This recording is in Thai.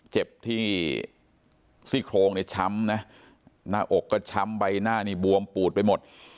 เจ็บที่ซี่โครงเนี่ยช้ำนะหน้าอกก็ช้ำใบหน้านี่บวมปูดไปหมด